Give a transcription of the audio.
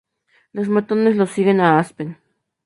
Los matones los siguen a Aspen.